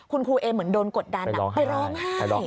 คุณครูเอเหมือนโดนกดดันไปร้องไห้